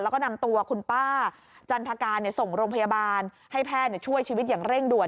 แล้วก็นำตัวคุณป้าจันทการส่งโรงพยาบาลให้แพทย์ช่วยชีวิตอย่างเร่งด่วน